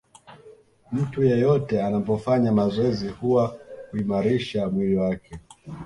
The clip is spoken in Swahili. Mtu yeyote anapofanya mazoezi huwa huimarisha mwili wake